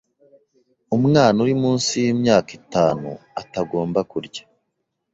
umwana uri munsi y’imyaka itanu atagomba kurya